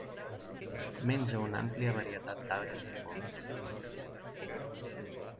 Menja una àmplia varietat d'algues i fongs.